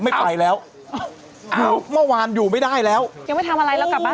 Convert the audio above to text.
ไม่ไปแล้วคือเมื่อวานอยู่ไม่ได้แล้วยังไม่ทำอะไรแล้วกลับบ้าน